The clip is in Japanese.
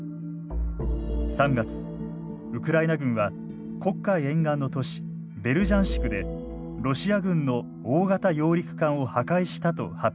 ３月ウクライナ軍は黒海沿岸の都市ベルジャンシクでロシア軍の大型揚陸艦を破壊したと発表。